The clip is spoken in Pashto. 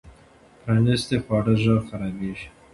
پرانیستي خواړه ژر خرابېږي.